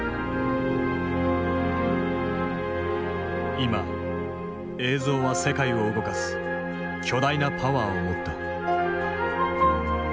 今映像は世界を動かす巨大なパワーを持った。